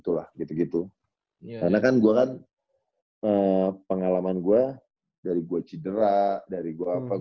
gue banyak banget gitu karena kan gue kan pengalaman gue dari gue cedera dari gue apa gue banyak banget